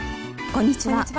こんにちは。